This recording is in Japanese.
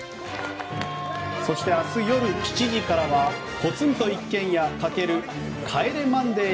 そして、明日夜７時からは「ポツンと一軒家×帰れマンデー